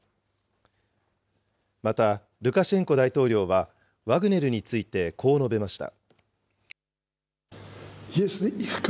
また、ルカシェンコ大統領は、ワグネルについてこう述べました。